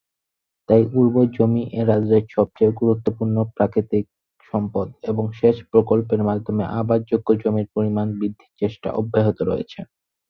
তাই উর্বর জমি এ রাজ্যের সবচেয়ে গুরুত্বপূর্ণ প্রাকৃতিক সম্পদ, এবং সেচ প্রকল্পের মাধ্যমে আবাদযোগ্য জমির পরিমাণ বৃদ্ধির চেষ্টা অব্যাহত রয়েছে।